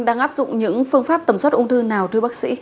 đang áp dụng những phương pháp tầm soát ung thư nào thưa bác sĩ